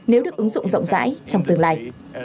nếu được ứng dụng rộng rãi trong tương lai